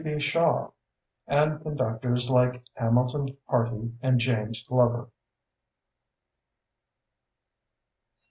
B. Shaw; and conductors like Hamilton Harty and James Glover.